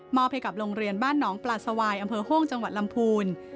ให้กับโรงเรียนบ้านหนองปลาสวายอำเภอโห้งจังหวัดลำพูน